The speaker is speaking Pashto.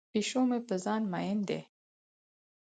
پیشو مې په ځان مین دی.